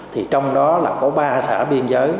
thì trong đó là có ba xã biên giới